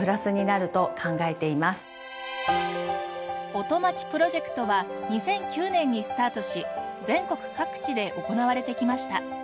おとまちプロジェクトは２００９年にスタートし全国各地で行われてきました。